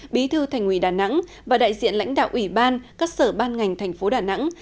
bí thư thành ủy đà nẵng và đại diện lãnh đạo ủy ban các sở ban ngành thành phố đà nẵng